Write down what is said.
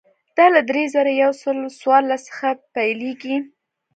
دا له درې زره یو سل څوارلس څخه پیلېږي.